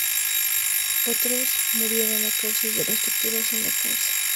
Otros murieron a causa de las torturas o en la cárcel.